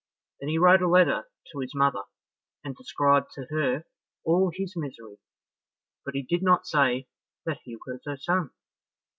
Then he wrote a letter to his mother, and described to her all his misery, but he did not say that he was her son.